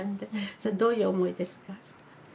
それどういう思いですか？